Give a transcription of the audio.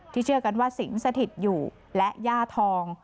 เชื่อกันว่าสิงสถิตอยู่และย่าทอง